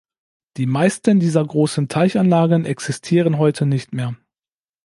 Die meisten dieser großen Teichanlagen existieren heute nicht mehr.